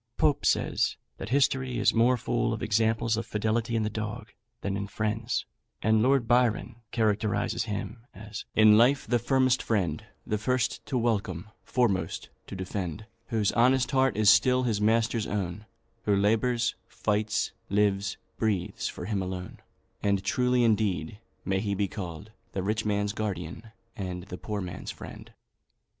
Pope says, that history is more full of examples of fidelity in the dog than in friends; and Lord Byron characterises him as "in life the firmest friend, The first to welcome, foremost to defend; Whose honest heart is still his master's own; Who labours, fights, lives, breathes for him alone;" and truly indeed may he be called "The rich man's guardian, and the poor man's friend."